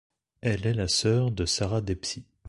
Elle est la sœur de Sara Debsi.